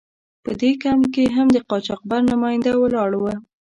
په دې کمپ کې هم د قاچاقبر نماینده ولاړ و.